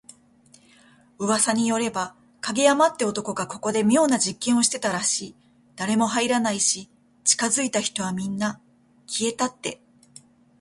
噂によれば、影山って男がここで妙な実験をしてたらしい。誰も入らないし、近づいた人はみんな…消えたって。